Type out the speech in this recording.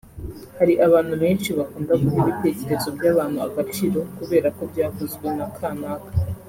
Hari abantu benshi bakunda guha ibitekerezo by’abantu agaciro kubera ko byavuzwe na kanaka